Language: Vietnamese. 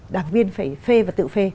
đảng viên phải phê và tự phê